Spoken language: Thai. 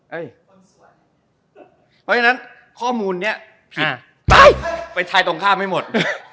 เฮ้ยเพราะฉะนั้นข้อมูลเนี้ยอ่าไปไปถ่ายตรงข้ามให้หมด